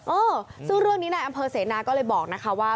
เออซึ่งเรื่องนี้นายอำเภอเสนาก็เลยบอกนะคะว่า